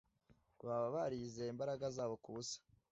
Baba barizeye imbaraga zabo kubusa